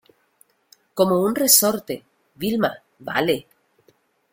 como un resorte. Vilma, vale .